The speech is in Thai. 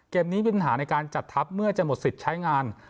นี้เป็นปัญหาในการจัดทัพเมื่อจะหมดสิทธิ์ใช้งาน